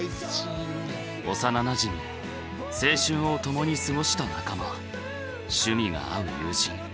幼なじみ青春を共に過ごした仲間趣味が合う友人